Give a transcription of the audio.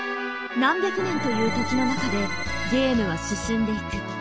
何百年という時の中でゲームは進んでいく。